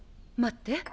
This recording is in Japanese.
待って。